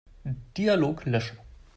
Dialog löschen.